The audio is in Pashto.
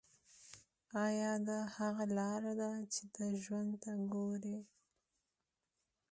ایا دا هغه لاره ده چې ته ژوند ته ګورې